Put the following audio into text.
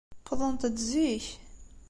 Wwḍent-d zik.